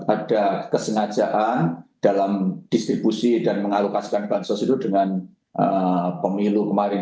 ada kesengajaan dalam distribusi dan mengalokasikan bansos itu dengan pemilu kemarin